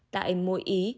tại mỗi ý